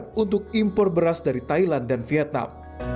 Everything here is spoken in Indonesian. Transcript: untuk impor beras dari thailand dan vietnam